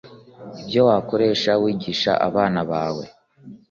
ibyo wakoresha wigisha abana bawe